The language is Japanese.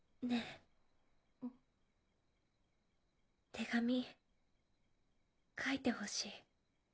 手紙書いてほしい。